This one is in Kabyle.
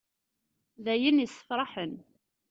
D ayen issefraḥen.